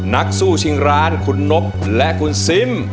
นักสู้ชิงร้านคุณนกและคุณซิม